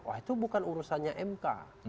wah itu bukan urusannya mk